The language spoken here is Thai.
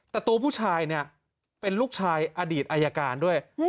แต่ตัวผู้ชายเนี่ยเป็นลูกชายอดีตอายการด้วย